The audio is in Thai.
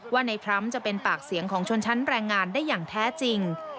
ว่าในทรัมป์จะเป็นปากเสียงของชนชั้นแรงงานได้อย่างแท้จริง